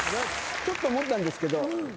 ちょっと思ったんですけど。